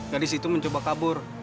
gadis itu mencoba kabur